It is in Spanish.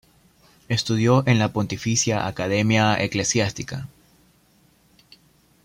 Estudió en la Pontificia Academia Eclesiástica.